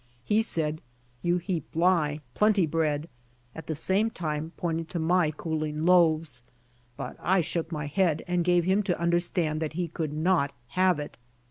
Hesaid,"You heap lie. Plenty bread," at the same time pointing to my cooling loaves, but I shook my head and gave him to understand that he could not have it.